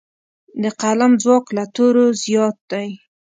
د قلم ځواک له تورو زیات دی.